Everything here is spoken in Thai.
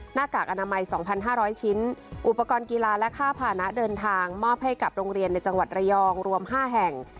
หน้ากากอนามัย๒๕๐๐ชิ้นอุปกรณ์กีฬาและค่าผ่านะเดินทางมอบให้กับโรงเรียนในจังหวัดระยองรวม๕แห่ง